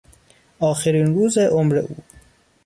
آخرین روز عمر او